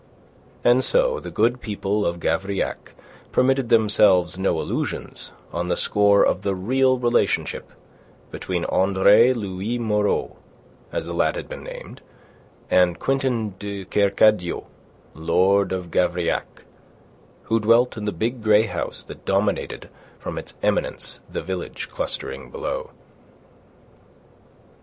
And so the good people of Gavrillac permitted themselves no illusions on the score of the real relationship between Andre Louis Moreau as the lad had been named and Quintin de Kercadiou, Lord of Gavrillac, who dwelt in the big grey house that dominated from its eminence the village clustering below.